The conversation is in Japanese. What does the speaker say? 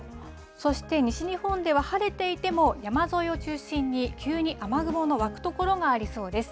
そして西日本では晴れていても、山沿いを中心に急に雨雲の湧く所がありそうです。